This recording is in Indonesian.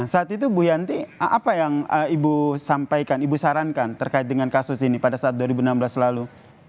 saat itu bu yanti apa yang ibu sampaikan ibu sarankan terkait dengan kasus ini pada saat dua ribu enam belas lalu